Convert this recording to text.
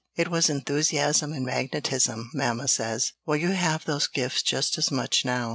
It was enthusiasm and magnetism, mamma says. Well, you have those gifts just as much now."